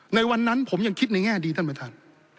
ในวันนั้นผมยังคิดในแง่ดีท่านประธาน